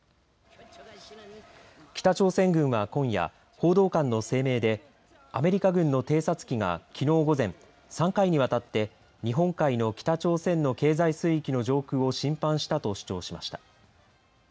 北朝鮮軍は今夜報道官の声明でアメリカ軍の偵察機がきのう午前３回にわたって日本海の北朝鮮の経済水域の上空を侵犯したと主張しました。